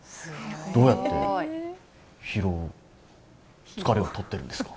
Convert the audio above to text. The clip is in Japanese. どうやって疲労を、疲れを取ってるんですか？